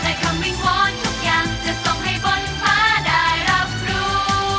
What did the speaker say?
คำวิงวอนทุกอย่างจะส่งให้บนฟ้าได้รับรู้